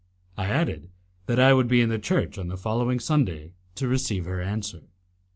I added that I would be in the church on the following Sunday to receive her answer.